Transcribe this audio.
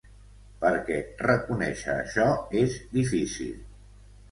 Perquè reconèixer això és difícil.